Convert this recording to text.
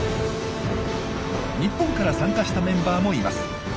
日本から参加したメンバーもいます。